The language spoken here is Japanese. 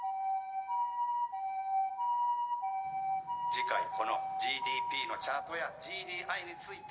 次回このＧＤＰのチャートやＧＤＩについて。